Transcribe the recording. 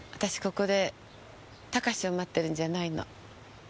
ここで孝志を待ってるんじゃないの。